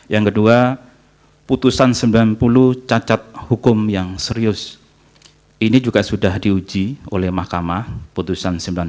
yang kedua putusan sembilan puluh cacat hukum yang serius ini juga sudah diuji oleh mahkamah putusan sembilan puluh enam